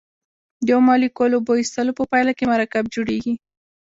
د یو مالیکول اوبو ایستلو په پایله کې مرکب جوړیږي.